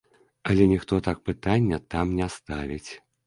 Але ніхто так пытанне там не ставіць.